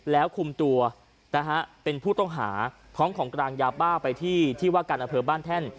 แล้วคุมตัวนะฮะเป็นผู้ต้องหาพร้อมของกลางยาบ้าไปที่ที่ว่าการอำเภอบ้านแท่น